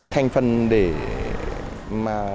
thành phần để mà